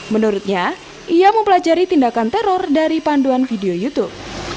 menurutnya ia mempelajari tindakan teror dari panduan video youtube